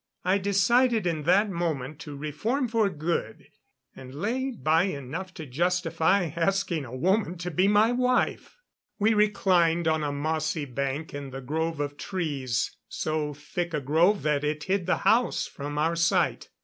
I decided in that moment, to reform for good; and lay by enough to justify asking a woman to be my wife. We reclined on a mossy bank in the grove of trees, so thick a grove that it hid the house from our sight.